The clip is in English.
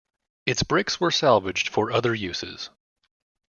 Its bricks were salvaged for other uses.